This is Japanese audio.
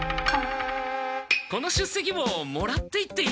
この出席簿もらっていっていいですかね？